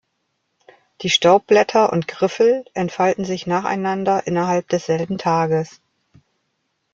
Die Staubblätter und Griffel entfalten sich nacheinander innerhalb desselben Tages.